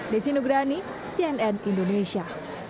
desi nugrani cnn indonesia